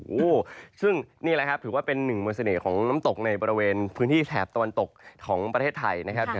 โอ้โหซึ่งนี่แหละครับถือว่าเป็นหนึ่งมวลเสน่ห์ของน้ำตกในบริเวณพื้นที่แถบตะวันตกของประเทศไทยนะครับ